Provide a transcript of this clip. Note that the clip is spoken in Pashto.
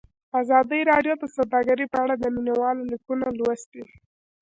ازادي راډیو د سوداګري په اړه د مینه والو لیکونه لوستي.